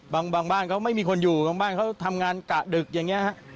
บางบ้านเขาไม่มีคนอยู่บางบ้านเขาทำงานกะดึกอย่างนี้ฮะ